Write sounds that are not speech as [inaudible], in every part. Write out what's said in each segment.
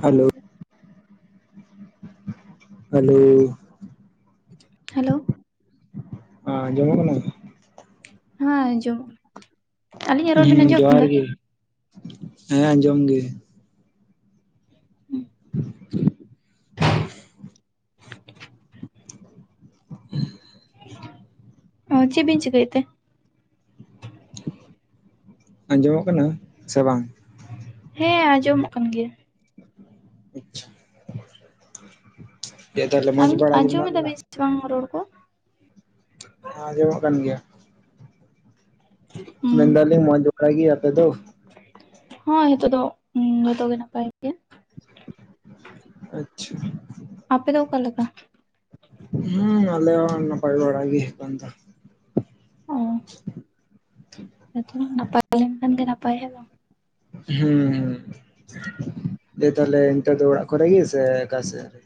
Hello hello hello. ᱟᱸ ᱟᱡᱚᱢᱚᱜ ᱠᱟᱱᱟ? ᱦᱮᱸ ᱟᱸᱡᱚᱢᱚᱜ ᱠᱟᱱᱟ᱾ ᱟᱹᱞᱤᱧᱟᱜ ᱨᱚᱲ ᱵᱤᱱ ᱦᱮᱸ ᱟᱸᱡᱚᱢ ᱡᱚᱦᱟᱨ ᱮᱫᱟ ᱜᱮ, ᱦᱮᱸ ᱟᱸᱡᱚᱢ ᱜᱮ᱾ [inaudible] ᱚ ᱪᱮᱜ ᱵᱤᱧ ᱪᱤᱠᱟᱹᱭᱮᱫ ᱛᱮ? ᱟᱸᱡᱚᱢᱚᱜ ᱠᱟᱱᱟ ᱥᱮ ᱵᱟᱝ? ᱦᱮᱸ ᱟᱸᱡᱚᱢᱚᱜ ᱠᱟᱱ ᱜᱮᱭᱟ᱾ ᱟᱪᱷᱟ ᱪᱮᱫ ᱛᱟᱦᱞᱮ ᱢᱚᱡᱽ ᱵᱟᱲᱟ ᱜᱮ ᱢᱮᱱᱟᱜ ᱵᱤᱱᱟ? ᱪᱷᱮᱵᱟᱝ ᱨᱚᱲ ᱫᱟ? ᱟᱸᱻᱡᱚᱢᱚᱜ ᱠᱟᱱ ᱜᱮᱭᱟ᱾ [inaudible] ᱦᱩᱸ ᱢᱮᱱᱫᱟᱞᱤᱧ ᱢᱚᱸᱡᱽ ᱵᱟᱲᱟ ᱜᱮ ᱟᱯᱮ ᱫᱚ? ᱦᱳᱭ ᱱᱤᱛᱳ ᱫᱚ ᱡᱚᱛᱚ ᱜᱮ ᱱᱟᱯᱟᱭ ᱜᱮ᱾ [inaudible] ᱟᱯᱮ ᱫᱚ ᱚᱠᱟ ᱞᱮᱠᱟ? ᱦᱩᱸ ᱟᱞᱮᱦᱚᱸ ᱱᱟᱯᱟᱭ ᱵᱟᱲᱟ ᱜᱤ ᱮᱠᱷᱚᱱ ᱫᱚ᱾ ᱦᱮ ᱛᱚ ᱱᱟᱯᱟᱭ ᱞᱮᱱ ᱠᱷᱟᱱ ᱜᱮ ᱱᱟᱯᱟᱭ ᱦᱮ ᱵᱟᱝ? ᱦᱩᱸ, ᱫᱮ ᱛᱟᱦᱞᱮ ᱱᱤᱛᱳᱜ ᱫᱚ ᱚᱲᱟᱜ ᱠᱚᱨᱮ ᱜᱮ, ᱥᱮ ᱚᱠᱟ ᱥᱮᱜ ᱨᱮ?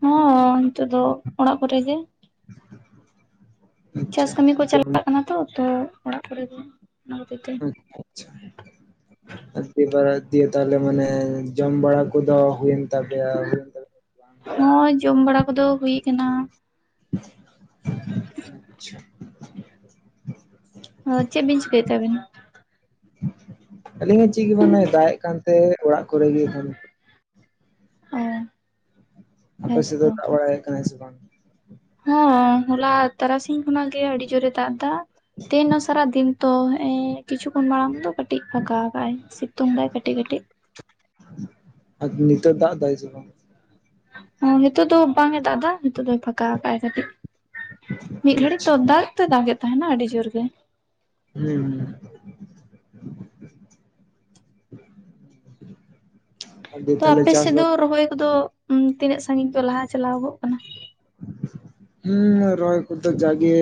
ᱦᱚᱸ ᱦᱚᱸ ᱱᱤᱛᱚᱜ ᱫᱚ ᱚᱲᱟᱜ ᱠᱚᱨᱮ ᱜᱮ᱾ [inaudible] ᱪᱟᱥ ᱠᱟᱹᱢᱤ ᱠᱚ ᱡᱮᱢᱚᱱ ᱪᱟᱞᱟᱜ ᱠᱟᱱᱟ ᱛᱚ ᱛᱚ ᱚᱲᱟᱜ ᱠᱚᱨᱮ ᱜᱮ ᱚᱱᱟ ᱠᱷᱟᱹᱛᱤᱨ ᱛᱮ᱾ ᱟᱪᱪᱷᱟ᱾ ᱫᱮ ᱵᱟᱨᱮ ᱫᱤᱭᱮ ᱛᱟᱦᱞᱮ ᱢᱟᱱᱮ ᱡᱚᱢ ᱵᱟᱲᱟ ᱠᱚᱫᱚ ᱦᱩᱭᱮᱱ ᱛᱟᱯᱮᱭᱟ? ᱛᱟᱯᱮ ᱦᱚᱸᱭ, ᱡᱚᱢ ᱵᱟᱲᱟ ᱠᱚᱫᱚ ᱦᱩᱭ ᱠᱟᱱᱟ᱾ [inaudible] ᱚ ᱪᱮᱜ ᱵᱤᱱ ᱪᱤᱠᱟᱹᱭᱮᱛ ᱛᱮ ᱟᱵᱤᱱ ᱫᱚ? ᱟᱹᱞᱤᱧ ᱦᱚᱸ ᱪᱤᱜ ᱜᱮ ᱵᱟᱝ ᱱᱚᱜ-ᱚᱭ ᱫᱟᱜ ᱮᱜ ᱠᱟᱱ ᱛᱟᱦᱮᱸ ᱚᱲᱟᱜ ᱠᱚᱨᱮ ᱜᱮ ᱮᱠᱷᱚᱱ᱾ ᱚ᱾ ᱟᱯᱮ ᱥᱮᱫ ᱫᱚᱭ ᱫᱟᱜ ᱵᱟᱲᱟᱭᱮᱜ ᱠᱟᱱᱟᱭ ᱥᱮ ᱵᱟᱝ? ᱦᱚᱸ, ᱦᱚᱞᱟ ᱛᱟᱨᱟᱥᱤᱧ ᱠᱷᱚᱱᱟᱜ ᱜᱮ ᱟᱹᱰᱤ ᱡᱳᱨᱮ ᱫᱟᱜ ᱫᱟ ᱛᱮᱦᱮᱱ ᱫᱚ ᱥᱟᱨᱟ ᱫᱤᱱ᱾ ᱛᱚ ᱦᱮᱜ ᱮ ᱠᱤᱪᱷᱩ ᱠᱷᱚᱱ ᱢᱟᱲᱟᱝ ᱫᱚ ᱠᱟᱹᱴᱤᱡ ᱯᱷᱟᱠᱟ ᱠᱟᱜ-ᱟᱭ ᱥᱤᱛᱩᱝ ᱫᱟᱭ ᱠᱟᱹᱴᱤᱡ ᱠᱟᱹᱴᱤᱡ᱾ ᱟᱫ ᱱᱤᱛᱚᱜ ᱫᱟ ᱫᱟᱭ ᱥᱮ ᱵᱟᱝ? ᱱᱤᱛᱚᱜ ᱫᱚ ᱵᱟᱝ ᱮ ᱫᱟᱜ ᱫᱟ ᱱᱤᱛᱚᱜ ᱫᱚᱭ ᱯᱷᱟᱠᱟ ᱠᱟᱜ-ᱟᱭ ᱠᱟᱹᱴᱤᱡ᱾ ᱢᱤᱫ ᱜᱷᱟᱹᱲᱤᱡ ᱟᱪᱪᱷᱟ ᱛᱚ ᱫᱟᱜ ᱛᱚ ᱫᱟᱜ ᱮᱫ ᱛᱟᱦᱮᱱᱟ ᱟᱹᱰᱤ ᱡᱳᱨ ᱜᱮ᱾ ᱦᱩᱸ᱾ [inaudible] ᱫᱤᱭᱮ ᱛᱚ ᱛᱟᱦᱞᱮ ᱟᱯᱮ ᱥᱮᱫ ᱪᱟᱥᱵᱟᱥ ᱫᱚ ᱨᱚᱦᱚᱭ ᱠᱚᱫᱚ ᱛᱤᱱᱟᱹᱜ ᱥᱟᱹᱜᱤᱧ ᱠᱚ ᱞᱟᱦᱟ ᱪᱟᱞᱟᱣ ᱜᱚᱜ ᱠᱟᱱᱟ? [inaudible] ᱦᱩᱸ ᱨᱚᱦᱚᱭ ᱠᱚᱫᱚ ᱡᱟᱜᱮ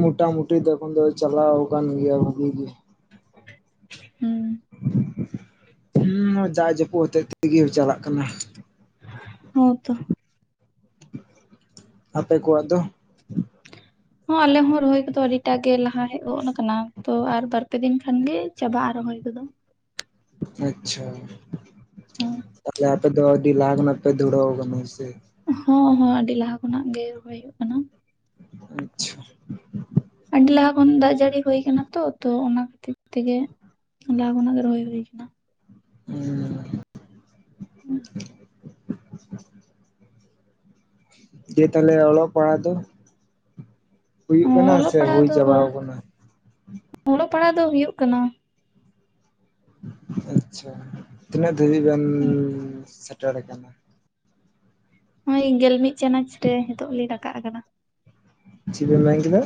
ᱢᱚᱴᱟ ᱢᱩᱴᱤ ᱛᱚ ᱤᱠᱷᱚᱱ ᱫᱚ ᱪᱟᱞᱟᱣ ᱟᱠᱟᱱ ᱜᱮᱭᱟ ᱵᱷᱟᱜᱤ ᱜᱮ᱾ ᱦᱩᱸ᱾ ᱦᱩᱸ, ᱡᱟᱜ ᱡᱟᱹᱯᱩᱫ ᱦᱚᱛᱮᱡ ᱛᱮᱜᱮ ᱪᱟᱞᱟᱜ ᱠᱟᱱᱟ᱾ ᱦᱚᱸ ᱛᱚ᱾ ᱟᱯᱮ ᱠᱚᱣᱟᱜ ᱫᱚ? ᱦᱚᱸ ᱟᱞᱮ ᱦᱚᱸ ᱨᱚᱦᱚᱭ ᱠᱚᱫᱚ ᱟᱹᱰᱤᱴᱟᱜ ᱜᱮ ᱞᱟᱦᱟ ᱦᱮᱡ ᱜᱚᱱ ᱟᱠᱟᱱᱟ ᱛᱚ ᱟᱨ ᱵᱟᱨᱯᱮ ᱫᱤᱱ ᱠᱷᱟᱱ ᱜᱮ ᱪᱟᱵᱟᱜ-ᱟ ᱨᱚᱦᱚᱭ ᱠᱚᱫᱚ᱾ ᱟᱪᱪᱷᱟ, ᱦᱚᱸ ᱛᱟᱦᱞᱮ ᱟᱯᱮᱫᱚ ᱟᱹᱰᱤ ᱞᱟᱦᱟ ᱠᱷᱚᱱᱟᱜ ᱯᱮ ᱫᱷᱩᱨᱟᱹᱣ ᱠᱟᱱᱟ ᱦᱮᱸ ᱥᱮ᱾ ᱦᱚᱸ ᱦᱚᱸ, ᱟᱰᱤ ᱞᱟᱦᱟ ᱠᱷᱚᱱᱟᱜ ᱜᱮ ᱨᱚᱦᱚᱭ ᱦᱩᱭᱩᱜ ᱠᱟᱱᱟ᱾ ᱟᱪᱪᱷᱟ᱾ ᱟᱰᱤ ᱞᱟᱦᱟ ᱠᱷᱚᱱ ᱫᱟᱜ ᱡᱟᱲᱤ ᱦᱳᱭ ᱠᱟᱱᱟ ᱛᱚ ᱛᱚ ᱚᱱᱟ ᱠᱷᱟᱛᱤᱨ ᱛᱮᱜᱮ᱾ ᱞᱟᱦᱟ ᱠᱷᱚᱱᱟᱜ ᱜᱮ ᱨᱚᱷᱚᱭ ᱦᱳᱭ ᱠᱟᱱᱟ᱾ [unintelligible] [inaudible] ᱫᱤᱭᱮ ᱛᱟᱞᱦᱮ ᱚᱞᱚᱜ ᱯᱟᱲᱦᱟᱜ ᱫᱚ ᱦᱩᱭᱩᱜ ᱠᱟᱱᱟ ᱚᱞᱚᱜ ᱥᱮ ᱯᱟᱲᱦᱟᱜ ᱦᱩᱭ ᱫᱚ ᱪᱟᱵᱟᱣ ᱠᱟᱱᱟ? ᱚᱞᱚᱜ ᱯᱟᱲᱦᱟᱣ ᱫᱚ ᱦᱩᱭᱩᱜ ᱠᱟᱱᱟ᱾ ᱟᱪᱪᱷᱟ, ᱛᱤᱱᱟᱹᱜ ᱫᱷᱟᱹᱵᱤᱡ ᱵᱮᱱ ᱥᱮᱴᱮᱨ ᱠᱟᱱᱟ? ᱦᱚᱜ-ᱚᱭ ᱜᱮᱞ ᱢᱤᱫ ᱪᱟᱱᱟᱪ ᱨᱮ ᱱᱤᱛᱚᱜ ᱞᱤᱧ ᱨᱟᱠᱟᱜ ᱠᱟᱱᱟ᱾ ᱪᱤᱜ ᱵᱮᱱ ᱞᱮᱭ ᱠᱮᱫᱟ?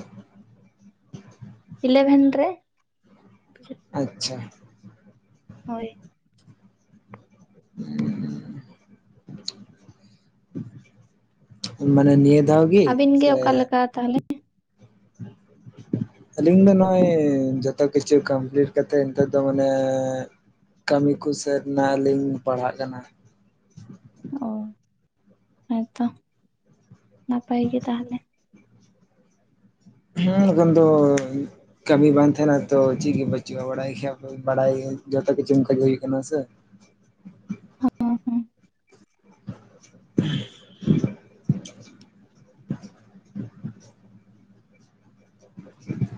ᱤᱞᱮᱵᱷᱮᱱ ᱨᱮ। ᱟᱪᱪᱷᱟ। ᱦᱳᱭ। [inaudible] ᱢᱟᱱᱮ ᱱᱤᱭᱟᱹ ᱫᱷᱟᱣ ᱟᱵᱤᱱ ᱜᱮ ᱥᱮ ᱚᱠᱟ ᱞᱮᱠᱟ ᱛᱟᱦᱚᱞᱮ? [inaudible] ᱟᱹᱞᱤᱧ ᱫᱚ ᱱᱚᱜ-ᱚᱭ ᱡᱚᱛᱚ ᱠᱤᱪᱷᱩ ᱠᱚᱢᱯᱤᱞᱤᱴ ᱠᱟᱛᱮ ᱱᱤᱛᱚᱜ ᱫᱚ ᱢᱟᱱᱮ᱾ ᱠᱟᱹᱢᱤ ᱠᱩ ᱥᱟᱹᱫ ᱱᱟ ᱟᱹᱞᱤᱧ ᱯᱟᱲᱦᱟᱜ ᱠᱟᱱᱟ᱾ ᱚ ᱦᱮᱸᱛᱚ ᱱᱟᱯᱟᱭ ᱜᱮ ᱛᱟᱦᱞᱮ᱾ ᱦᱩᱸ ᱮᱠᱷᱚᱱ ᱫᱚ᱾ ᱠᱟᱹᱢᱤ ᱵᱟᱝ ᱛᱟᱦᱮᱱᱟ ᱛᱚ ᱪᱤᱜᱤ ᱵᱟᱹᱪᱩᱜ-ᱟ ᱵᱟᱲᱟᱭ ᱜᱮᱭᱟ ᱯᱮ ᱵᱟᱲᱟᱭ ᱡᱚᱛᱚ ᱠᱤᱪᱷᱩ ᱚᱱᱠᱟ ᱜᱮ ᱦᱩᱭ ᱠᱟᱱᱟ ᱥᱮ᱾ ᱦᱮᱸ ᱦᱮᱸ᱾ [inaudible]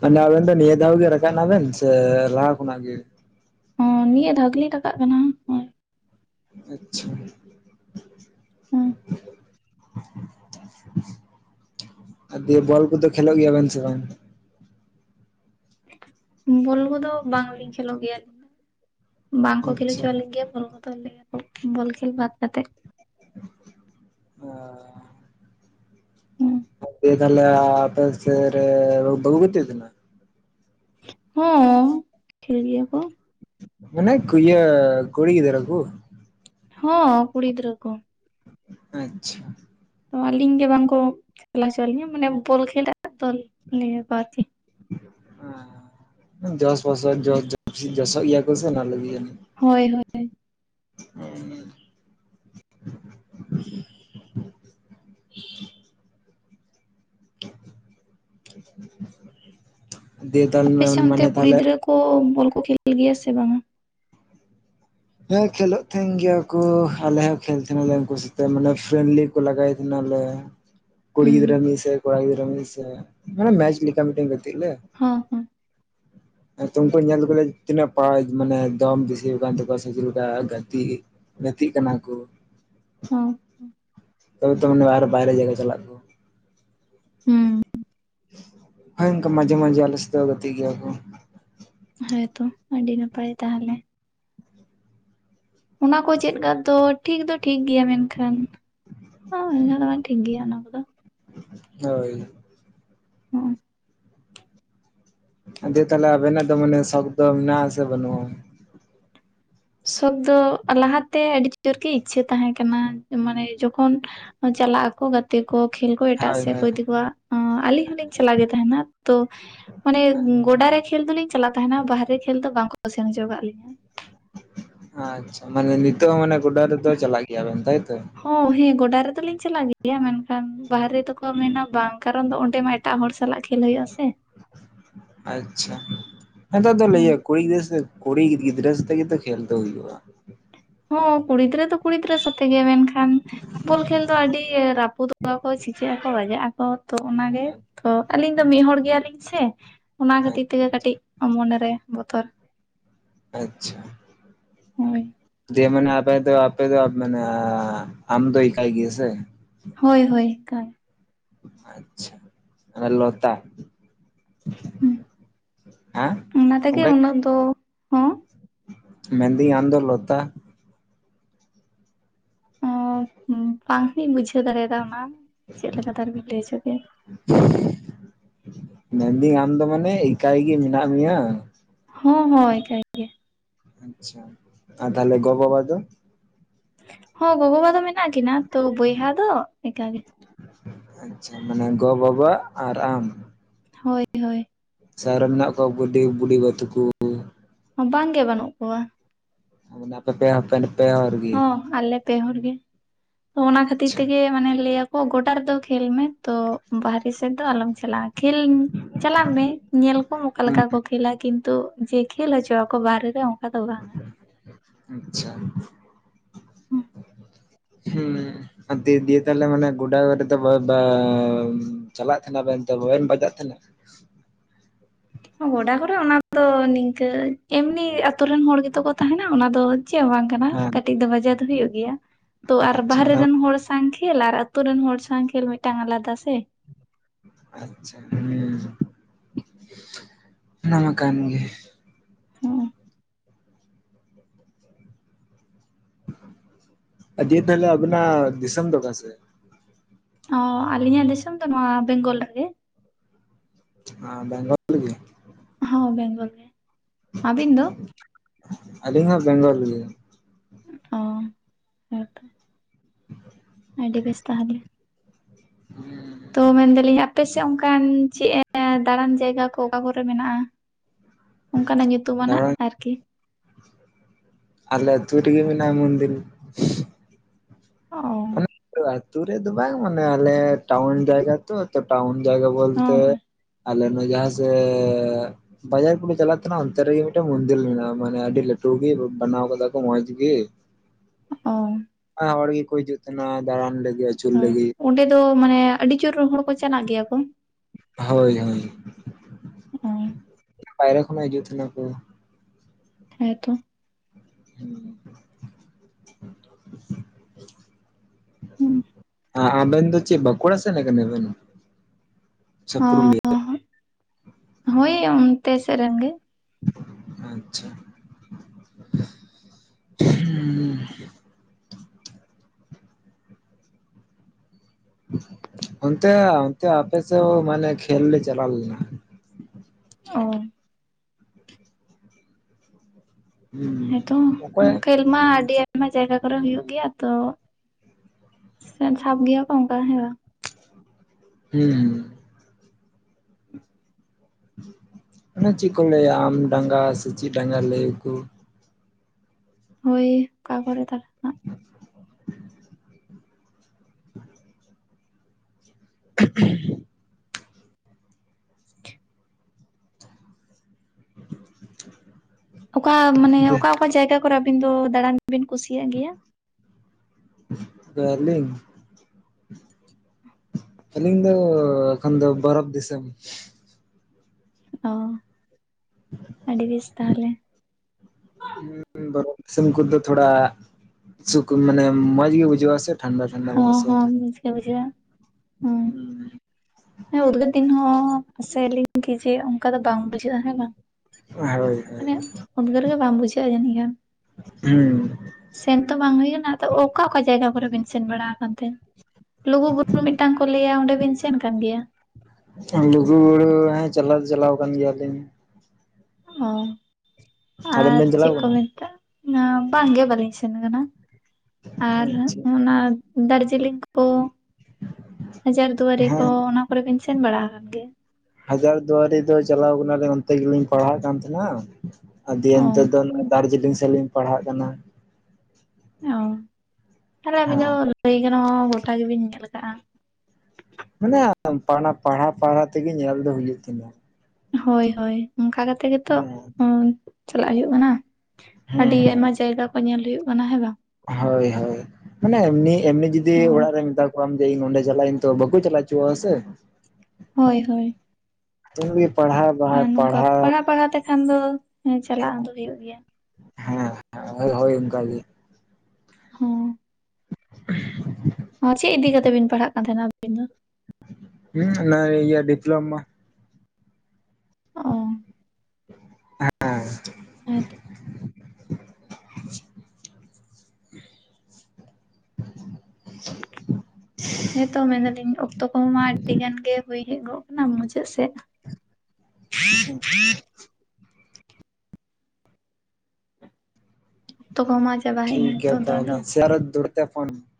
ᱢᱟᱱᱮ ᱟᱵᱮᱱ ᱫᱚ ᱱᱤᱭᱟᱹ ᱫᱷᱟᱣ ᱜᱮ ᱨᱟᱠᱟᱵ ᱱᱟᱵᱮᱱ ᱥᱮ ᱞᱟᱦᱟ ᱠᱷᱚᱱᱟᱜ ᱜᱮ᱾ ᱦᱚᱸ ᱱᱤᱭᱟᱹ ᱫᱷᱟᱣ ᱜᱮᱞᱤᱧ ᱨᱟᱠᱟᱜ ᱠᱟᱱᱟ᱾ ᱦᱳᱭ ᱟᱪᱪᱷᱟ᱾ ᱦᱮᱸ ᱟᱨ ᱫᱤᱭᱮ ᱵᱚᱞ ᱠᱩᱫᱚ ᱠᱷᱮᱞᱳᱜ ᱜᱮᱭᱟᱵᱮᱱ ᱥᱮ ᱵᱟᱝ᱾ ᱵᱚᱞ ᱠᱚᱫᱚ ᱵᱟᱝᱞᱤᱧ ᱠᱷᱮᱞᱳᱜ ᱜᱮᱭᱟ ᱟᱞᱤᱧ ᱫᱚ ᱵᱟᱝ ᱠᱚ ᱠᱷᱮᱞ ᱟᱪᱪᱷᱟ ᱦᱚᱪᱚᱣᱟᱞᱤᱧ ᱜᱮᱭᱟ ᱵᱚᱞ ᱠᱚᱫᱚ ᱞᱟᱹᱭ ᱟ ᱵᱚᱞ ᱠᱷᱮᱞ ᱵᱟᱫ ᱠᱟᱛᱮᱜ᱾ ᱚ᱾ ᱦᱚᱸ [unintelligible] ᱟᱯᱮ ᱥᱮᱜᱨᱮ ᱵᱟᱹᱠᱩ ᱜᱟᱹᱛᱤᱜ ᱛᱟᱦᱮᱱᱟ᱾ ᱦᱚᱸ ᱠᱷᱮᱞ ᱜᱮᱭᱟ ᱠᱚ᱾ ᱢᱟᱱᱮ ᱤᱭᱟᱹ ᱠᱩᱲᱤ ᱜᱤᱫᱽᱨᱟᱹ ᱠᱩ᱾ ᱦᱚᱸ ᱠᱩᱲᱤ ᱜᱤᱫᱽᱨᱟᱹ ᱠᱩ᱾ ᱟᱪᱪᱷᱟ᱾ ᱛᱚ ᱟᱞᱤᱧ ᱜᱮ ᱵᱟᱝᱠᱚ ᱪᱟᱞᱟ ᱦᱚᱪᱚᱣᱟᱞᱤᱧᱟ ᱢᱟᱱᱮ ᱵᱚᱞ ᱠᱷᱮᱞᱟᱜ ᱛᱚᱞ ᱱᱤᱭᱟᱹ ᱠᱚ ᱟᱨᱠᱤ᱾ ᱟᱸ ᱡᱚᱥ ᱵᱚᱥᱚᱨ ᱡᱚᱥ ᱡᱚᱥ ᱡᱚᱥᱚᱜ ᱜᱤᱭᱟ ᱠᱩ ᱥᱮ ᱚᱱᱟᱞᱟᱹᱜᱤ ᱠᱟᱱᱟ᱾ ᱦᱳᱭ ᱦᱳᱭ᱾ ᱱᱮᱜ ᱱᱤᱭᱟᱹ᱾ ᱫᱤᱭᱮ ᱟᱯᱮ ᱥᱮ ᱛᱟᱱᱢᱟᱱᱮ ᱚᱱᱛᱮ ᱢᱟᱱᱮ ᱠᱩᱲᱤ ᱛᱟᱦᱞᱮ᱾ ᱜᱤᱫᱽᱨᱟᱹ ᱠᱚ ᱵᱚᱞ ᱠᱚ ᱠᱷᱮᱞ ᱜᱮᱭᱟ ᱥᱮ ᱵᱟᱝᱟ᱾ ᱦᱮᱸ ᱠᱷᱮᱞᱳᱜ ᱛᱟᱦᱮᱱ ᱜᱮᱭᱟ ᱠᱩ ᱟᱞᱮ ᱦᱚᱸ ᱠᱷᱮᱞ ᱛᱟᱦᱮᱱᱟᱞᱮ ᱩᱝᱠᱩ ᱥᱟᱛᱮᱜ ᱢᱟᱱᱮ ᱯᱷᱨᱮᱱᱰᱞᱤ᱾ ᱠᱚ ᱞᱟᱜᱟᱭ ᱛᱟᱸᱦᱮᱱᱟᱞᱮ᱾ ᱠᱩᱲᱤ ᱦᱩᱸ ᱜᱤᱫᱽᱨᱟᱹ ᱢᱤᱜᱥᱮᱱ ᱠᱚᱲᱟ ᱜᱤᱫᱽᱨᱟᱹ ᱢᱤᱜᱥᱮᱜ ᱢᱟᱱᱮ ᱢᱮᱪ ᱞᱮᱠᱟ ᱢᱤᱴᱮᱝ ᱜᱟᱛᱤᱜ ᱟᱞᱮ᱾ ᱦᱚᱸ ᱦᱚᱸ᱾ ᱛᱩ ᱩᱝᱠᱩ ᱧᱮᱞ ᱟᱹᱠᱩ ᱞᱟᱹᱜᱤᱜ ᱛᱤᱱᱟᱹᱜ ᱯᱟ ᱢᱟᱱᱮ ᱫᱚᱢ ᱵᱮᱥᱤᱣ ᱠᱟᱱ ᱛᱟᱠᱚᱣᱟ ᱥᱮ ᱪᱮᱜ ᱞᱮᱠᱟ ᱜᱟᱛᱤᱜ᱾ ᱜᱟᱹᱛᱤᱜ ᱠᱟᱱᱟ ᱠᱩ᱾ ᱦᱚᱸ ᱛᱚᱵᱮ ᱛᱚ ᱢᱟᱱᱮ ᱟᱨᱚ ᱵᱟᱭᱨᱮ ᱡᱟᱭᱜᱟ ᱪᱟᱞᱟᱜ ᱟᱠᱩ᱾ ᱦᱩᱸ ᱦᱳᱭ ᱚᱝᱠᱟ ᱢᱟᱡᱷᱮ ᱢᱟᱡᱷᱮ ᱟᱞᱮ ᱥᱟᱛᱮᱜ ᱠᱚ ᱜᱟᱛᱮᱜ ᱜᱮᱭᱟ ᱠᱩ᱾ ᱦᱳᱭ ᱛᱚ ᱟᱹᱰᱤ ᱱᱟᱯᱟᱭ ᱛᱟᱦᱞᱮ᱾ ᱚᱱᱟ ᱠᱚ ᱪᱮᱫ ᱠᱟᱜ ᱫᱚ ᱴᱷᱤᱠ ᱫᱚ ᱴᱷᱤᱠ ᱜᱮᱭᱟ ᱢᱮᱱᱠᱷᱟᱱ᱾ [unintelligible] ᱴᱷᱤᱠ ᱜᱮᱭᱟ ᱚᱱᱟ ᱠᱚᱫᱚ᱾ ᱦᱳᱭ᱾ ᱦᱚᱸ ᱫᱤᱭᱮ ᱛᱟᱦᱞᱮ ᱟᱵᱮᱱᱟᱜ ᱫᱚ ᱢᱟᱱᱮ ᱥᱚᱠ ᱫᱚ ᱢᱮᱱᱟᱜ ᱟᱥᱮ ᱵᱟᱹᱱᱩᱜ-ᱟ᱾ ᱥᱚᱠ ᱫᱚ ᱞᱟᱦᱟᱛᱮ ᱟᱹᱰᱤ ᱡᱳᱨ ᱜᱮ ᱤᱪᱪᱷᱟᱹ ᱛᱟᱸᱦᱮ ᱠᱟᱱᱟ ᱢᱟᱱᱮ ᱡᱚᱠᱷᱚᱱ᱾ ᱪᱟᱞᱟᱜ ᱟᱠᱚ ᱜᱟᱛᱮ ᱠᱚ ᱠᱷᱮᱞ ᱠᱚ ᱮᱴᱟᱜ ᱦᱳᱭ ᱥᱮᱜ ᱠᱚ ᱦᱳᱭ ᱤᱫᱤ ᱠᱚᱣᱟ᱾ ᱚᱸ ᱟᱞᱤᱧ ᱦᱚᱸᱞᱤᱧ ᱪᱟᱞᱟᱜ ᱜᱮ ᱛᱟᱦᱮᱱᱟ ᱛᱚ᱾ ᱢᱟᱱᱮ ᱜᱚᱰᱟᱨᱮ ᱠᱷᱮᱞ ᱫᱚᱞᱤᱧ ᱪᱟᱞᱟᱜ ᱛᱟᱦᱮᱱᱟ ᱵᱟᱦᱨᱮ ᱠᱷᱮᱞ ᱫᱚ ᱵᱟᱝᱠᱚ ᱥᱮᱱ ᱦᱚᱪᱚᱣ ᱠᱟᱜ ᱞᱤᱧᱟ᱾ ᱟᱪᱪᱷᱟ ᱢᱟᱱᱮ ᱱᱤᱛᱚᱜ ᱦᱚᱸ ᱢᱟᱱᱮ ᱜᱚᱰᱟ ᱨᱮᱫᱚ ᱪᱟᱞᱟᱜ ᱜᱮᱭᱟᱵᱱ ᱛᱟᱭᱛᱚ᱾ ᱦᱚᱸ ᱦᱮᱸ ᱜᱚᱰᱟ ᱨᱮᱫᱚᱞᱤᱧ ᱪᱟᱞᱟᱜ ᱜᱮᱭᱟ ᱢᱮᱱᱠᱷᱟᱱ ᱵᱟᱦᱨᱮ ᱫᱚᱠᱚ ᱢᱮᱱᱟ ᱵᱟᱝ ᱠᱟᱨᱚᱱ ᱫᱚ ᱚᱸᱰᱮ ᱢᱟ᱾ ᱮᱴᱟᱜ ᱦᱚᱲ ᱥᱟᱞᱟᱜ ᱠᱷᱮᱞ ᱦᱩᱭᱩᱜᱼᱟ ᱥᱮ ᱟᱪᱪᱷᱟ᱾ ᱦᱮᱸ ᱛᱚ ᱟᱫᱚ ᱞᱟᱹᱭᱟ ᱠᱩᱲᱤ ᱜᱤᱫᱽᱨᱟᱹ ᱠᱩᱲᱤ ᱜᱤᱫᱽᱨᱟᱹ ᱥᱟᱛᱮ ᱜᱮᱛᱚ ᱠᱷᱮᱞ ᱫᱚ ᱦᱩᱭᱩᱜᱼᱟ᱾ ᱦᱚᱸ ᱠᱩᱲᱤ ᱜᱤᱫᱽᱨᱟᱹ ᱫᱚ ᱠᱩᱲᱤ ᱜᱤᱫᱽᱨᱟᱹ ᱥᱟᱛᱮᱜ ᱜᱮ ᱢᱮᱱᱠᱷᱟᱱ ᱵᱚᱞ ᱠᱷᱮᱞ ᱫᱚ ᱟᱹᱰᱤ ᱨᱟᱹᱯᱩᱫ [inaudible] ᱠᱚ ᱪᱮᱤᱠᱟᱹᱜ ᱟᱠᱚ ᱵᱟᱡᱟᱜ ᱟᱠᱚ ᱛᱚ ᱚᱱᱟᱜᱮ ᱛᱚ ᱟᱹᱞᱤᱧ ᱫᱚ ᱢᱤᱫ ᱦᱚᱲ ᱜᱮᱭᱟᱞᱤᱧ ᱥᱮ᱾ ᱚᱱᱟ ᱠᱷᱟᱹᱛᱤᱨ ᱛᱮᱜᱮ ᱠᱟᱹᱴᱤᱡ ᱢᱚᱱᱮᱨᱮ ᱵᱚᱛᱚᱨ ᱟᱪᱪᱷᱟ ᱾ ᱦᱳᱭ ᱾ ᱡᱮ ᱢᱟᱱᱮ ᱟᱯᱮ ᱟᱯᱮ ᱫᱚ ᱢᱟᱱᱮ ᱟᱢ ᱫᱚ ᱮᱠᱟᱭ ᱜᱮᱤᱭᱟᱹ ᱥᱮ ᱾ ᱦᱳᱭ ᱦᱳᱭ ᱾ ᱟᱪᱪᱷᱟ ᱟᱨ [inaudible] [unintelligible] ᱚᱱᱟ ᱛᱮᱜᱮ ᱩᱱᱟᱹᱜ ᱫᱚ ᱦᱚᱸ ᱢᱮᱱᱫᱤᱧ ᱟᱢᱫᱚ ᱞᱚᱛᱟ ᱚ ᱵᱟᱝᱞᱤᱧ ᱵᱩᱡᱷᱟᱹᱣ ᱫᱟᱲᱮᱭᱟᱫᱟ ᱚᱱᱟ ᱪᱮᱫ ᱠᱟᱛᱷᱟ ᱨᱮᱵᱤᱱ ᱞᱟᱹᱭ ᱦᱚᱪᱚ ᱠᱮᱜ-ᱟ? ᱢᱮᱱᱫᱟᱹᱧ ᱟᱢ ᱫᱚ ᱢᱟᱱᱮ ᱮᱠᱟᱭ ᱜᱮ ᱢᱮᱱᱟᱜ ᱢᱮᱭᱟ? ᱦᱚᱹ ᱦᱳᱭ ᱮᱠᱟᱭ ᱜᱮ᱾ ᱟᱪᱪᱷᱟ ᱛᱟᱦᱚᱞᱮ ᱜᱚ-ᱵᱟᱵᱟ ᱫᱚ? ᱦᱚᱸ ᱜᱚᱜᱚ-ᱵᱟᱵᱟ ᱫᱚ ᱢᱮᱱᱟᱜ ᱠᱤᱱᱟ ᱛᱚ ᱵᱚᱭᱦᱟ ᱫᱚ ᱮᱠᱟᱭ ᱜᱮ᱾ ᱟᱪᱪᱷᱟ ᱢᱟᱱᱮ ᱜᱚ-ᱵᱟᱵᱟ ᱟᱨ ᱟᱢ᱾ ᱦᱳᱭ ᱦᱳᱭ ᱾ ᱥᱮ ᱟᱨᱦᱚᱸ ᱢᱮᱱᱟᱜ ᱠᱚᱣᱟ ᱵᱩᱰᱤ ᱵᱩᱰᱤᱜᱚ ᱛᱟᱠᱚ? ᱵᱟᱝ ᱜᱮ ᱵᱟᱹᱱᱩᱜ ᱠᱚᱣᱟ ᱾ ᱢᱟᱱᱮ ᱟᱯᱮ ᱯᱮ ᱦᱟᱯᱮ ᱯᱮ ᱦᱚᱲ ᱜᱮ᱾ ᱦᱚᱸ ᱟᱞᱮ ᱯᱮ ᱦᱚᱲ ᱜᱮ ᱚᱱᱟ ᱠᱷᱟᱹᱛᱤᱨ ᱟᱪᱪᱷᱟ ᱛᱮᱜᱮ ᱢᱟᱱᱮ ᱞᱟᱹᱭ ᱟᱠ ᱠᱚ ᱜᱚᱰᱟ ᱨᱮᱫᱚ ᱠᱷᱮᱞ ᱢᱮ ᱛᱚ ᱵᱟᱦᱨᱮ ᱥᱮᱫ ᱫᱚ ᱟᱞᱚᱢ ᱪᱟᱞᱟᱜᱼᱟ, ᱠᱷᱮᱞ ᱪᱟᱞᱟᱜ ᱢᱮ ᱧᱮᱞ ᱠᱚᱢ ᱚᱠᱟᱮᱠᱟ ᱦᱩᱸ ᱠᱚ ᱠᱷᱮᱞᱟ ᱠᱤᱱᱛᱩ ᱡᱮ ᱠᱷᱮᱞ ᱦᱚᱪᱚᱜ ᱟᱠᱚ ᱵᱟᱦᱨᱮ ᱨᱮ ᱟᱫᱚ ᱵᱟᱝᱼᱟ ᱾ ᱟᱪᱪᱷᱟ ᱾ ᱦᱩᱸᱢᱻ ᱫᱤ ᱫᱤᱭᱮ ᱛᱟᱦᱚᱞᱮ ᱢᱟᱱᱮ ᱜᱚᱰᱟ ᱨᱮᱫᱚ [unintelligible] ᱪᱟᱞᱟᱜ ᱛᱟᱦᱮᱱᱟ ᱵᱮᱱ ᱛᱚ ᱵᱟᱵᱮᱱ ᱵᱟᱡᱟᱜ ᱛᱟᱦᱮᱱᱟ? ᱜᱚᱰᱟ ᱠᱚᱨᱮ ᱚᱱᱟ ᱫᱚ ᱱᱤᱝᱠᱟᱹ ᱮᱢᱱᱤ ᱟᱛᱩ ᱨᱮᱱ ᱦᱚᱲ ᱜᱮᱛᱚ ᱠᱚ ᱛᱟᱦᱮᱱᱟ ᱚᱱᱟ ᱫᱚ ᱪᱮᱫ ᱦᱚᱸ ᱵᱟᱝ ᱠᱟᱱᱟ ᱦᱮᱸ ᱠᱟᱹᱴᱤᱡ ᱫᱚ ᱵᱟᱡᱟᱣ ᱫᱚ ᱦᱩᱭᱩᱜ ᱜᱮᱭᱟ ᱛᱚ, ᱟᱨ ᱟᱪᱪᱷᱟ ᱵᱟᱦᱨᱮ ᱚᱱᱟ ᱨᱮᱱ ᱦᱚᱲ ᱥᱟ ᱥᱟᱝ ᱠᱷᱮᱞ ᱟᱨ ᱟᱹᱛᱩ ᱨᱮᱱ ᱦᱚᱲ ᱥᱟᱝ ᱠᱷᱮᱞ ᱢᱤᱫᱴᱟᱝ ᱟᱞᱟᱫᱟ ᱥᱮ᱾ ᱟᱪᱪᱷᱟ ᱦᱢ ᱚᱱᱟᱢᱟ ᱠᱟᱱ ᱜᱮ᱾ ᱦᱩᱸ ᱫᱤᱭᱮ ᱛᱟᱦᱚᱞᱮ ᱟᱵᱤᱱᱟᱜ ᱫᱤᱥᱚᱢ ᱫᱚ ᱚᱠᱟ ᱥᱮᱫ? ᱚ ᱟᱹᱞᱤᱧᱟᱜ ᱫᱤᱥᱚᱢ ᱫᱚ ᱱᱚᱣᱟ ᱵᱮᱝᱜᱚᱞ ᱨᱮᱜᱮ? ᱟᱸ ᱵᱮᱝᱜᱚᱞ ᱨᱮᱜᱮ ᱾ ᱦᱚᱸ ᱵᱮᱝᱜᱚᱞ ᱜᱮ, ᱟᱵᱤᱱ ᱫᱚ? ᱟᱹᱞᱤᱧ ᱦᱚᱸ ᱵᱮᱝᱜᱚᱞ ᱨᱮᱜᱮ᱾ ᱚ ᱦᱮᱸ ᱛᱚ᱾ ᱟᱹᱰᱤ ᱵᱮᱥ ᱛᱟᱦᱚᱞᱮ᱾ [unintelligible] ᱛᱚ ᱢᱮᱱᱫᱟᱞᱤᱧ ᱟᱯᱮ ᱥᱮᱫ ᱚᱱᱠᱟᱱ ᱪᱮᱫ ᱫᱟᱬᱟᱱ ᱡᱟᱭᱜᱟ ᱠᱚ ᱚᱠᱟ ᱠᱚᱨᱮ ᱢᱮᱱᱟᱜᱼᱟ? ᱚᱱᱠᱟᱱᱟᱜ ᱧᱩᱛᱩᱢᱟᱱᱟᱜ ᱫᱟᱬᱟᱱ ᱟᱨᱠᱤ᱾ ᱟᱞᱮ ᱟᱛᱩ ᱨᱮᱜᱮ ᱢᱮᱱᱟᱜ-ᱟ ᱢᱩᱱᱫᱤᱨ᱾ ᱚ᱾ ᱦᱚᱸ ᱚᱱᱟ ᱫᱚ ᱟᱛᱩ ᱨᱮᱫᱚ ᱵᱟᱝ ᱢᱟᱱᱮ ᱟᱞᱮ ᱴᱟᱣᱩᱱ ᱡᱟᱭᱜᱟ ᱟᱛᱚ ᱛᱚ ᱴᱟᱣᱩᱱ ᱡᱟᱭᱜᱟ ᱵᱚᱞᱛᱮ ᱦᱚᱸ ᱟᱞᱮ ᱱᱚ ᱡᱟᱦᱟᱥᱮᱫ ᱵᱟᱡᱟᱨ ᱠᱚᱞᱮ ᱪᱟᱞᱟᱜ ᱛᱟᱦᱮᱱᱟ ᱚᱱᱛᱮ ᱨᱮᱜᱮ ᱢᱤᱫᱴᱮᱱ ᱢᱚᱱᱫᱤᱞ ᱢᱮᱱᱟᱜ-ᱟ᱾ ᱢᱟᱱᱮ ᱟᱰᱤ ᱟᱰᱤ ᱞᱟᱴᱩ ᱜᱮ ᱵᱟ-ᱵᱟᱱᱟᱣ ᱠᱟᱫᱟ ᱠᱚ ᱢᱚᱸᱡᱽ ᱜᱮ᱾ ᱚ ᱟ ᱦᱚᱲ ᱜᱮ ᱠᱚ ᱦᱤᱡᱩᱜ ᱛᱟᱸᱦᱮᱱᱟ ᱫᱟᱬᱟᱱ ᱞᱟᱜᱤ ᱟᱪᱩᱨ ᱦᱚᱸ ᱞᱟᱜᱤ᱾ ᱚᱸᱰᱮ ᱫᱚ ᱢᱟᱱᱮ ᱟᱹᱰᱤ ᱡᱳᱨ ᱦᱚᱲ ᱠᱚ ᱪᱟᱞᱟᱜ ᱜᱮᱭᱟ ᱠᱚ᱾ ᱦᱳᱭ ᱦᱳᱭ᱾ ᱚ᱾ ᱯᱟᱭᱨᱟ ᱠᱷᱚᱱᱟᱜ ᱦᱤᱡᱩᱜ ᱛᱟᱦᱮᱱᱟ ᱠᱚ᱾ ᱦᱮᱸ ᱛᱚ᱾ [inaudible] ᱟ ᱟᱵᱮᱱ ᱫᱚ ᱪᱮᱫ ᱵᱟᱸᱠᱩᱲᱟ ᱥᱮᱫ ᱨᱮᱱ ᱠᱟᱱᱟᱵᱮᱱ? ᱥᱮ ᱯᱩᱨᱩᱞᱤᱭᱟ.? ᱚᱦᱩᱸᱜ ᱦᱳᱭ ᱚᱱᱛᱮ ᱥᱮᱫ ᱨᱮᱱ ᱜᱮ᱾ ᱟᱪᱪᱷᱟ᱾ ᱚᱱᱛᱮ ᱚᱱᱛᱮ ᱟᱯᱮᱥᱮᱫ ᱢᱟᱱᱮ ᱠᱷᱮᱞ ᱞᱮ ᱪᱟᱞᱟᱣ ᱞᱮᱱᱟ᱾ ᱚ᱾ [inaudible] ᱦᱮᱸᱛᱚ ᱚᱠᱚᱭ ᱠᱷᱮᱞ ᱢᱟ ᱟᱹᱰᱤ ᱟᱭᱢᱟ ᱡᱟᱭᱜᱟ ᱠᱚᱨᱮ ᱦᱩᱭᱩᱜ ᱜᱮᱭᱟ ᱛᱚ ᱪᱷᱟᱵ ᱜᱮᱭᱟ ᱚᱱᱠᱟ ᱦᱮᱸ ᱵᱟᱝ᱾ ᱦᱩᱸ᱾ ᱚᱱᱮ ᱪᱮᱫ ᱠᱚ ᱞᱟᱹᱭᱟ ᱟᱢ ᱰᱟᱸᱜᱟ ᱥᱮ ᱪᱮᱫ ᱰᱟᱸᱜᱟ ᱞᱟᱹᱭᱟ ᱠᱩ? ᱦᱳᱭ ᱚᱠᱟ ᱠᱚᱨᱮ ᱛᱟᱠ ᱱᱟᱦᱜ᱾ [inaudible] [inaudible] ᱚᱠᱟ ᱢᱟᱱᱮ ᱚᱠᱟ ᱚᱠᱟ ᱡᱟᱭᱜᱟ ᱠᱚᱨᱮ ᱟᱵᱤᱱ ᱫᱚ ᱫᱟᱬᱟᱱ ᱵᱤᱱ ᱠᱩᱥᱤᱭᱟᱜ ᱜᱮᱭᱟ? ᱚᱠᱚᱭ ᱟᱞᱤᱧ? ᱟᱹᱞᱤᱧ ᱫᱚ ᱮᱠᱷᱚᱱ ᱫᱚ ᱵᱚᱨᱚᱯᱷ ᱫᱤᱥᱚᱢ᱾ ᱚ ᱟᱹᱰᱤ ᱵᱮᱥ ᱛᱟᱦᱚᱞᱮ᱾ ᱦᱩᱸ ᱵᱚᱨᱯᱷ ᱫᱤᱥᱚᱢ ᱠᱚᱫᱚ ᱛᱷᱚᱲᱟ ᱥᱩᱠᱱ ᱢᱟᱱᱮ ᱢᱚᱸᱡᱽ ᱜᱮ ᱵᱩᱡᱷᱟᱹᱜ-ᱟ ᱥᱮ᱾ ᱴᱷᱟᱱᱰᱟ ᱴᱷᱟᱱᱰᱟ ᱦᱚᱸ ᱢᱳᱥᱚᱢ ᱦᱚᱸ ᱢᱚᱡᱜᱮ ᱵᱩᱡᱷᱟᱜ-ᱟ ᱦᱩᱸ᱾ ᱦᱩᱸ᱾ ᱦᱮ ᱩᱫᱽᱜᱟᱹᱨᱣ ᱫᱤᱱ ᱦᱚᱸ ᱯᱮᱥᱮᱜ ᱟᱞᱤᱧ ᱠᱮᱡᱮ ᱚᱱᱠᱟ ᱫᱚ ᱵᱟᱝ ᱵᱩᱡᱷᱟᱹᱜᱼᱟ ᱦᱮᱸ ᱵᱟᱝ᱾ ᱦᱳᱭ ᱦᱳᱭ᱾ ᱩᱫᱜᱟᱹᱨ ᱜᱮ ᱵᱟᱝ ᱵᱩᱡᱷᱟᱹᱜᱼᱟ ᱡᱟᱹᱱᱤᱡ ᱠᱷᱟᱱ᱾ ᱦᱩᱸ᱾ ᱥᱮᱱ ᱛᱚ ᱵᱟᱝ ᱦᱩᱭ ᱠᱟᱱᱟ᱾ ᱟᱫᱚ ᱚᱠᱟ ᱚᱠᱟ ᱡᱟᱭᱜᱟ ᱠᱚᱨᱮᱵᱮᱱ ᱥᱮᱱ ᱵᱟᱲᱟ ᱟᱠᱟᱱ ᱛᱮ? ᱞᱩᱜᱩ ᱵᱩᱨᱩ ᱢᱤᱫᱴᱟᱝ ᱠᱚ ᱞᱟᱹᱭᱟ ᱚᱸᱰᱮ ᱵᱤᱱ ᱥᱮᱱ ᱠᱟᱱ ᱜᱮᱭᱟ? ᱞᱩᱜᱩ ᱵᱩᱲᱩ ᱦᱮᱸ ᱪᱟᱞᱟᱣ ᱫᱚ ᱪᱟᱞᱟᱣ ᱠᱟᱱ ᱜᱮᱭᱟ ᱞᱤᱧ᱾ ᱚ ᱟᱵᱮᱱ ᱟᱨ ᱵᱮᱱ ᱪᱟᱞᱟᱣ ᱪᱮᱫ ᱠᱚ ᱟᱠᱟᱱᱟ ᱢᱮᱛᱟᱜ ᱠᱟᱱᱟ ᱵᱟᱝᱜᱮ ᱵᱟᱹᱞᱤᱧ ᱥᱮᱱ ᱠᱟᱱᱟ᱾ ᱟᱨ ᱟᱪᱪᱷᱟ ᱚᱱᱟ ᱫᱟᱨᱡᱤᱞᱤᱝ ᱠᱚ? ᱦᱟᱡᱟᱨ ᱫᱩᱣᱟᱨᱤ ᱠᱚ ᱦᱮᱸ ᱚᱱᱟ ᱠᱚᱨᱮ ᱵᱮᱱ ᱥᱮᱱ ᱵᱟᱲᱟ ᱠᱟᱱ ᱜᱮᱭᱟ? ᱦᱟᱡᱟᱨ ᱫᱩᱣᱟᱨᱤ ᱫᱚ ᱪᱟᱞᱟᱣ ᱠᱟᱱᱟ ᱞᱤᱧ ᱚᱱᱛᱮ ᱜᱮᱞᱤᱧ ᱯᱟᱲᱦᱟᱜ ᱠᱟᱱ ᱛᱟᱦᱮᱱᱟ᱾ ᱫᱤᱭᱮ ᱚ ᱱᱤᱛᱳ ᱫᱚ ᱚᱱᱟ ᱫᱟᱨᱡᱤᱞᱤᱝ ᱥᱮᱫ ᱨᱮᱞᱤᱧ ᱯᱟᱲᱦᱟᱜ ᱠᱟᱱᱟ᱾ ᱚ ᱛᱟᱦᱚᱞᱮ ᱟᱵᱤᱱ ᱫᱚ ᱦᱮᱸ ᱞᱟᱹᱭ ᱜᱟᱱᱚᱜᱼᱟ ᱜᱚᱴᱟ ᱜᱮᱵᱤᱱ ᱧᱮᱞ ᱠᱟᱜ-ᱟ᱾ ᱢᱟᱱᱮ ᱯᱟᱱᱟ ᱯᱟᱲᱦᱟᱣ ᱯᱟᱲᱦᱟᱣ ᱛᱮᱜᱮ ᱧᱮᱞ ᱫᱚ ᱦᱩᱭᱩᱜ ᱛᱟᱦᱮᱱᱟ᱾ ᱦᱳᱭ ᱦᱳᱭ ᱚᱱᱠᱟ ᱠᱟᱛᱮ ᱜᱮᱛᱚ ᱦᱮᱸ ᱩᱸ ᱪᱟᱞᱟᱜ ᱦᱩᱭᱩᱜ ᱠᱟᱱᱟ ᱟᱹᱰᱤ ᱦᱮᱸ ᱟᱭᱢᱟ ᱡᱟᱭᱜᱟ ᱠᱚ ᱧᱮᱞ ᱦᱩᱭᱩᱜ ᱠᱟᱱᱟ ᱦᱮᱸ ᱵᱟᱝ? ᱦᱳᱭ ᱦᱳᱭ᱾ ᱢᱟᱱᱮ ᱮᱢᱱᱤ ᱮᱢᱱᱤ ᱡᱩᱫᱤ ᱚ ᱚᱲᱟᱜ ᱨᱮ ᱢᱮᱛᱟ ᱠᱚᱣᱟᱢ ᱡᱮ ᱤᱧ ᱚᱸᱰᱮ ᱪᱟᱞᱟ ᱟᱹᱧ ᱛᱚ ᱵᱟᱠᱚ ᱪᱟᱞᱟ ᱦᱚᱪᱚᱣᱟᱜᱼᱟ ᱥᱮ᱾ [inaudible] ᱦᱳᱭ ᱦᱳᱭ᱾ ᱛᱩᱱ ᱵᱤ ᱯᱟᱲᱦᱟᱣ ᱟᱨ ᱱᱚᱝᱠᱟ ᱯᱟᱲᱦᱟᱣ ᱯᱟᱲᱦᱟᱣ ᱛᱮᱠᱷᱟᱱ ᱫᱚ ᱦᱮᱸ ᱪᱟᱞᱟᱜ ᱫᱚ ᱦᱩᱭᱩᱜ ᱜᱮᱭᱟ᱾ ᱦᱮᱸ ᱦᱳᱭ ᱦᱳᱭ ᱚᱱᱠᱟ ᱜᱮ᱾ ᱦᱮᱸ᱾ [inaudible] ᱚ ᱪᱮᱫ ᱤᱫᱤ ᱠᱟᱛᱮ ᱵᱤᱱ ᱯᱟᱲᱦᱟᱜ ᱠᱟᱱ ᱛᱟᱦᱮᱱᱟ ᱟᱵᱤᱱ ᱫᱚ? ᱦᱩᱸ ᱚᱱᱟ ᱤᱭᱟᱹ ᱰᱤᱯᱞᱳᱢᱟ᱾ ᱚ ᱦᱮᱸ ᱦᱮᱸ ᱛᱚ᱾ [inaudible] [inaudible] ᱦᱮᱸᱛᱚ ᱢᱮᱱ ᱫᱟᱞᱤᱧ ᱚᱠᱛᱚ ᱠᱚᱦᱚᱸ ᱢᱟ ᱟᱹᱰᱤ ᱜᱟᱱ ᱜᱮ ᱦᱩᱭ ᱦᱮᱡ ᱜᱚᱜ ᱠᱟᱱᱟ ᱢᱩᱪᱟᱹᱫ ᱥᱮᱫ᱾ [inaudible] ᱚᱠᱛᱚ ᱠᱚᱦᱚᱸ ᱢᱟ ᱪᱟᱵᱟ ᱦᱮᱡ ᱴᱷᱤᱠ ᱮᱱᱟ ᱜᱮᱭᱟ ᱱᱤᱛᱚᱜ ᱫᱚ ᱟᱫᱚ ᱛᱟᱦᱚᱞᱮ ᱥᱮ ᱟᱨᱚ ᱫᱚᱲ ᱛᱮ ᱯᱷᱳᱱ